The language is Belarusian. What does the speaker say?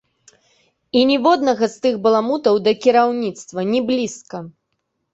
І ніводнага з тых баламутаў да кіраўніцтва ні блізка!